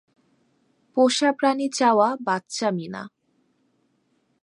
পোষা প্রাণী চাওয়া বাচ্চামি না।